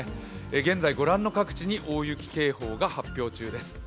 現在ご覧の各地に大雪警報が発表中です。